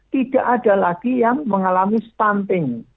tidak ada lagi yang mengalami stunting